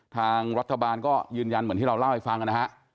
ทางรัฐบาลก็ยืนยันเหมือนที่เราเล่าให้ฟังนะฮะ